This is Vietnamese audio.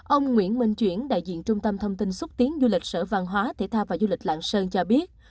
ông nguyễn minh chuyển đại diện trung tâm thông tin xúc tiến du lịch sở văn hóa thể thao và du lịch lạng sơn cho biết